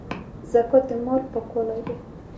زکات د مال پاکوالی دی